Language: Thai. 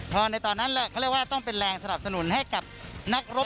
พอในตอนนั้นเขาเรียกว่าต้องเป็นแรงสนับสนุนให้กับนักรบ